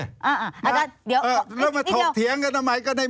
ว่าจะมาถูกเถียงกันอ่ะมไง